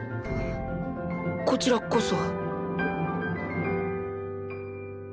こちらこそ。